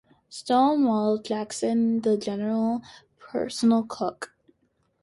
"Stonewall" Jackson as the General's personal cook.